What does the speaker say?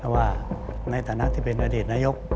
ว่าในฐานะที่เป็นอดีตนายก